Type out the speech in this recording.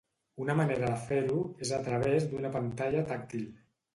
Una manera de fer-ho és a través d'una pantalla tàctil.